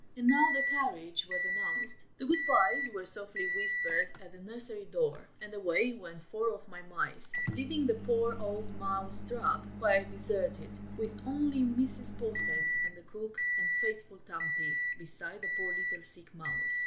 And now the carriage was announced; the "good byes" were softly whispered at the nursery door, and away went four of my mice, leaving the poor old Mouse trap quite deserted, with only Mrs. Posset and the cook and faithful Tomty, beside the poor little sick mouse.